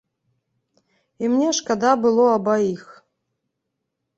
І мне шкада было абаіх.